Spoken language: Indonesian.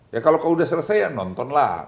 ya kalau kau sudah selesai ya nontonlah